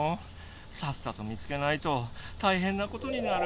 さっさと見つけないとたいへんなことになる。